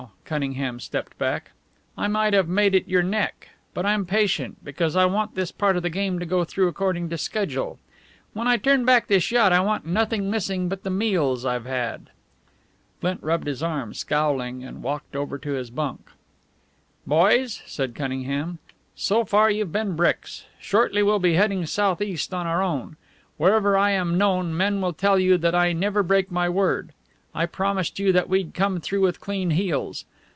Cunningham stepped back. "I might have made it your neck. But I'm patient, because I want this part of the game to go through according to schedule. When I turn back this yacht I want nothing missing but the meals I've had." Flint rubbed his arm, scowling, and walked over to his bunk. "Boys," said Cunningham, "so far you've been bricks. Shortly we'll be heading southeast on our own. Wherever I am known, men will tell you that I never break my word. I promised you that we'd come through with clean heels.